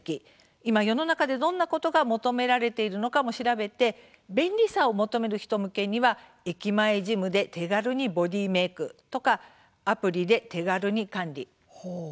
今、世の中で、どんなことが求められているのかも調べ便利さを求める人向けには駅前ジムで手軽にボディーメークとかアプリで手軽に管理。